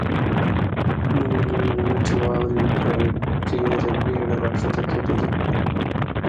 لویې لویې غټې واورې په ډېره بېړه را کښته کېدلې.